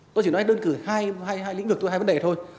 tôi chỉ nói đơn cử hai lĩnh vực tôi hai vấn đề thôi